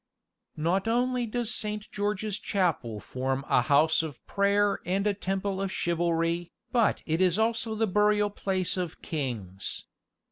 Not only does Saint George's Chapel form a house of prayer and a temple of chivalry, but it is also the burial place of kings.